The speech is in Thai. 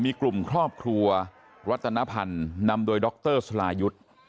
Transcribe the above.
มีกลุ่มครอบครัวรัตนพันธ์นำโดยดรสลายุทธ์